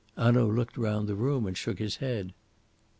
Hanaud looked round the room and shook his head.